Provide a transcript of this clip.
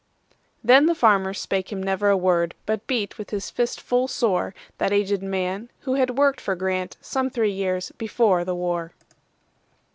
Then the farmer spake him never a word, But beat with his fist full soreThat aged man, who had worked for GrantSome three years before the war.